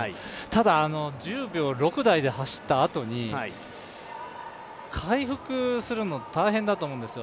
ただ、１０秒６台で走ったあとに回復するのは大変だと思うんです。